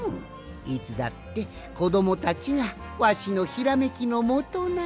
いつだってこどもたちがわしのひらめきのもとなんじゃ。